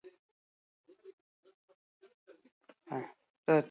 Korrikalari elgetarra sentsazio onak izaten ari da azken asteetan.